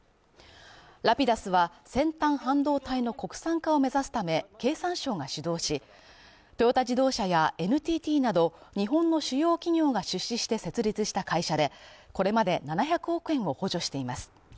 Ｒａｐｉｄｕｓは先端半導体の国産化を目指すため、経産省が主導し、トヨタ自動車やＮＴＴなど日本の主要企業が出資して設立した会社でこれまで７００億円を補助しています。